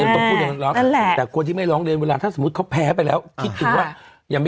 แต่คนที่ไม่ร้องเรียนเวลาถ้าสมมุติเขาแพ้ไปแล้วคิดถึงว่า